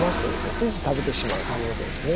ついつい食べてしまうということですね。